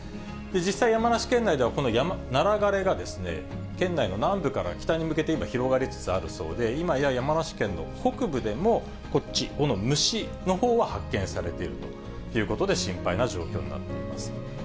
実際、山梨県内では、このナラ枯れが、県内の南部から北に向けて今、広がりつつあるそうで、今や山梨県の北部でもこっち、この虫のほうは発見されているということで、心配な状況になっています。